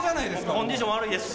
コンディション悪いです。